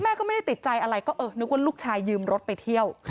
ก็ไม่ได้ติดใจอะไรก็เออนึกว่าลูกชายยืมรถไปเที่ยว